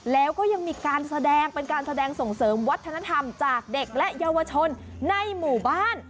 แล้วก็ยังมีการแสดงเป็นการแสดงส่งเสริมวัฒนธรรมจากเด็กและเยาวชนในหมู่บ้าน